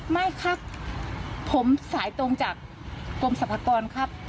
ไม่ครับผมสายตรงจากกรมสรรพากรครับ